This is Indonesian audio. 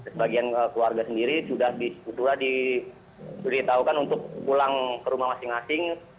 sebagian keluarga sendiri sudah diberitahukan untuk pulang ke rumah masing masing